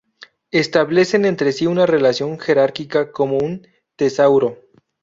Establecen entre sí una relación jerárquica como un Tesauro.